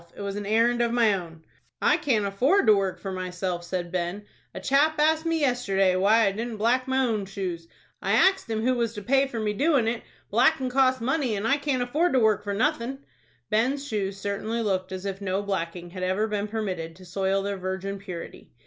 It was an errand of my own." "I can't afford to work for myself," said Ben. "A chap asked me, yesterday, why I didn't black my own shoes. I axed him who was to pay me for doin' it. Blackin' costs money, and I can't afford to work for nothin'." Ben's shoes certainly looked as if no blacking had ever been permitted to soil their virgin purity.